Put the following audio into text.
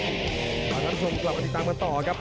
ขออนุญาตนำชมกลับกดติดตามมาต่อครับ